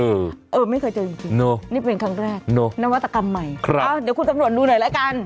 เออไม่เคยเจอจริงนี่เป็นครั้งแรกนวัตกรรมใหม่อ้าวเดี๋ยวคุณสำรวจดูหน่อยละกัน